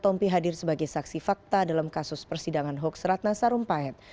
tompi menyebut sebagai saksi fakta dalam kasus persidangan hoaks ratna sarumpait